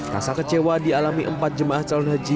rasa kecewa dialami empat jemaah calon haji